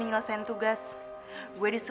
insya allah nggak ada kok